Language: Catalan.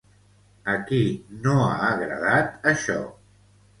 A qui no ha agradat, això?